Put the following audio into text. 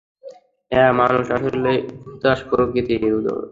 হ্যাঁ, মানুষ আসলেই উন্মাদ প্রকৃতির।